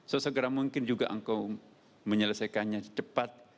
sesegera mungkin juga engkau menyelesaikannya cepat